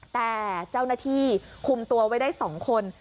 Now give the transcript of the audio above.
แต่เจ้าหน้าที่คุมตัวไว้ได้๒คน